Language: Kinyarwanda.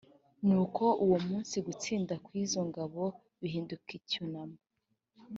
nuko uwo munsi gutsinda kw izo ngabo bihinduka icyunamo